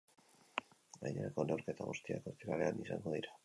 Gainerako neurketa guztiak ostiralean izango dira.